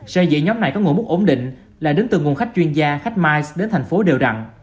xây dựng nhóm này có nguồn mức ổn định là đến từ nguồn khách chuyên gia khách mice đến thành phố đều rặn